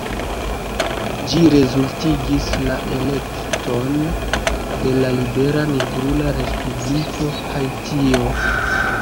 Ĝi rezultigis la ekeston de la libera nigrula respubliko Haitio.